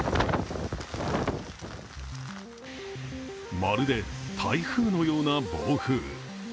まるで台風のような暴風。